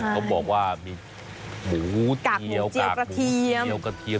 เขาบอกว่ามีหมูเจียวกากหมูเจียวกระเทียม